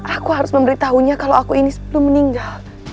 aku harus memberitahunya kalau aku ini sebelum meninggal